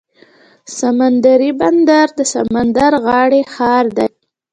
سمندري بندر د سمندر غاړې ښار دی.